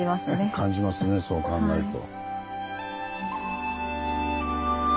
感じますねそう考えると。